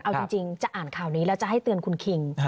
เอาจริงจะอ่านข่าวนี้แล้วจะให้เตือนคุณคิง